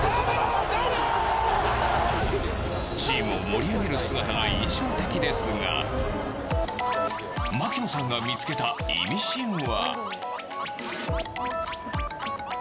チームを盛り上げる姿が印象的ですが槙野さんが見つけたイミシンは。